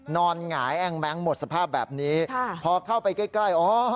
หงายแอ้งแม้งหมดสภาพแบบนี้พอเข้าไปใกล้อ๋อ